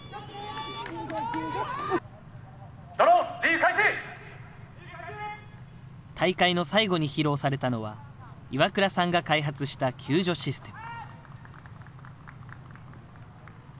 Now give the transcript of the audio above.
ドローン、大会の最後に披露されたのは、岩倉さんが開発した救助システム。